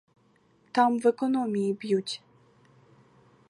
Там в економії б'ють.